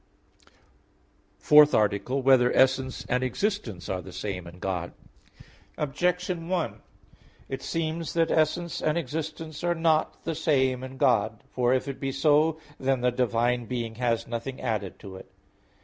_______________________ FOURTH ARTICLE [I, Q. 3, Art. 4] Whether Essence and Existence Are the Same in God? Objection 1: It seems that essence and existence are not the same in God. For if it be so, then the divine being has nothing added to it.